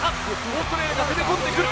オーストラリアが攻め込んでくる。